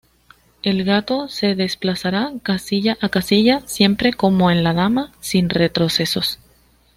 El gato se desplazará casilla a casilla siempre como en la dama, sin retrocesos.